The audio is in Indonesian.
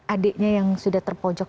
adiknya yang sudah terpojok